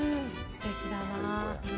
すてきだな。